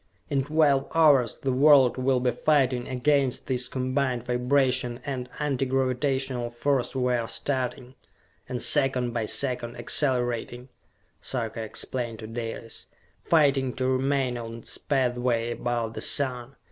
"In twelve hours the world will be fighting against this combined vibration and Anti Gravitational Force we are starting, and second by second accelerating," Sarka explained to Dalis: "fighting to remain on its pathway about the Sun!